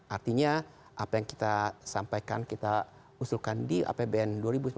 artinya apa yang kita sampaikan kita usulkan di apbn dua ribu sembilan belas